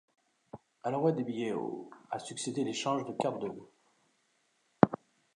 À l’envoi de billets au a succédé l’échange de cartes de vœux.